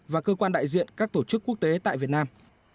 và cơ quan đại diện các tổ chức quốc tế tại việt nam